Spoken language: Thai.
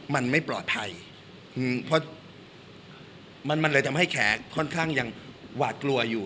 มันไม่ปลอดภัยเพราะมันเลยทำให้แขนค่อนข้างยังหวาดกลัวอยู่